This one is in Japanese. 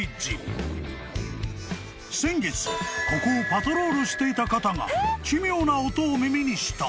［先月ここをパトロールしていた方が奇妙な音を耳にした。